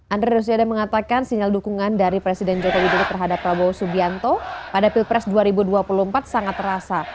andre rosiade mengatakan sinyal dukungan dari presiden joko widodo terhadap prabowo subianto pada pilpres dua ribu dua puluh empat sangat terasa